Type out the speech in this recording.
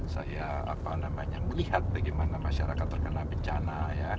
saya melihat bagaimana masyarakat terkena bencana